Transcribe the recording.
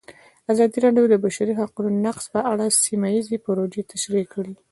ازادي راډیو د د بشري حقونو نقض په اړه سیمه ییزې پروژې تشریح کړې.